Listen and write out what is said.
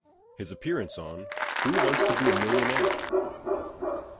His appearance on Who Wants to Be a Millionaire?